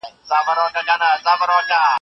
زه اوس ليکنې کوم.